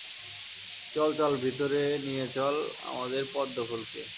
চল, চল, ভিতরে নিয়ে চল আমাদের পদ্ম ফুলকে।